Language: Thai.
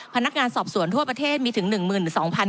พนักงานสอบสวนทั่วประเทศมีถึงหนึ่งหมื่นสองพัน